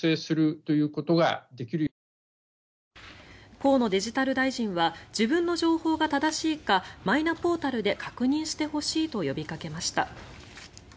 河野デジタル大臣は自分の情報が正しいかマイナポータルで確認してほしいと呼びかけました。